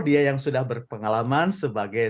dia yang sudah berpengalaman sebagai